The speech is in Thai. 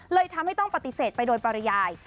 เลยทำให้ต้องปฏิเสธไปโดยปริยาย